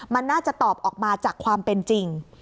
มันน่าจะตอบออกมาจากความเป็นจริง